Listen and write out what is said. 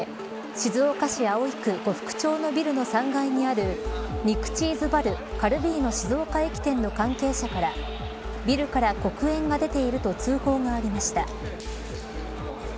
静岡市葵区呉服町のビルの３階にある肉チーズバルカルヴィーノ静岡駅店の関係者からビルから黒煙が出ていると通報がありました。